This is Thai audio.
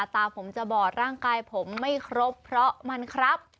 ตาผมจะบอดร่างกายผมไม่ครบเพราะมันครับ